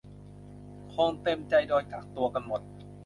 คงเต็มใจโดนกักตัวกันหมด